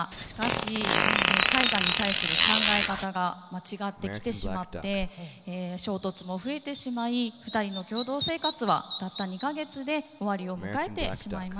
しかし絵画に対する考え方が違ってきてしまって衝突も増えてしまい２人の共同生活はたった２か月で終わりを迎えてしまいました。